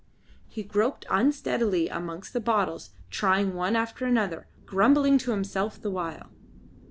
He groped unsteadily amongst the bottles, trying one after another, grumbling to himself the while.